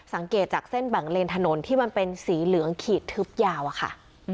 สังเกตจากเส้นแบ่งเลนถนนที่มันเป็นสีเหลืองขีดทึบยาวอะค่ะ